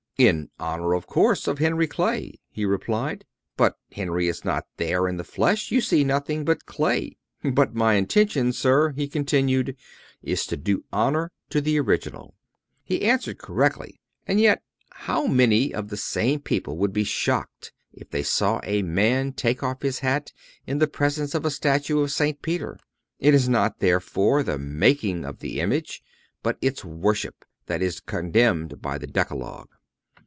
"In honor, of course, of Henry Clay," he replied. "But Henry is not there in the flesh. You see nothing but clay." "But my intention, sir," he continued, "is to do honor to the original." He answered correctly. And yet how many of the same people would be shocked if they saw a man take off his hat in the presence of a statue of St. Peter! It is not, therefore, the making of the image, but its worship, that is condemned by the Decalogue.